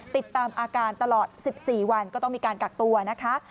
ติดตามอาการตลอด๑๔วันก็ต้องมีการกักตัวนะคะ